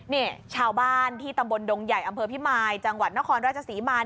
นี่ชาวบ้านที่ตำบลดงใหญ่อำเภอพิมายจังหวัดนครราชศรีมา